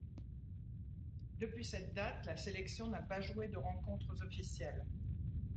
Depuis cette date, la sélection n'a pas joué de rencontres officielles.